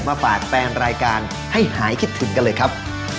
มาฝากแฟนรายการให้หายคิดถึงกันเลยครับ